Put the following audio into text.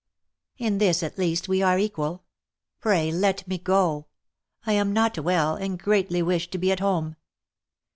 In this at least we are equal. Pray let me go ; I am not well, and greatly wish to be at home."